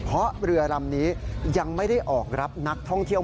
เพราะเรือลำนี้ยังไม่ได้ออกรับนักท่องเที่ยว